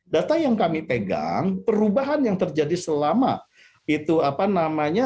data yang kami pegang perubahan yang terjadi selama itu apa namanya